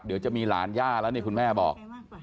เดี๋ยวจะมีหลานย่าแล้วนี่คุณแม่บอก